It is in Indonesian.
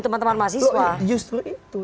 teman teman mahasiswa justru itu